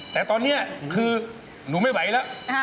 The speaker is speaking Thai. แต่ตอนนี้คือหนูไม่ไหวแล้ว